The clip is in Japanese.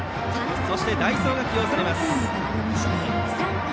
そして代走が起用されます。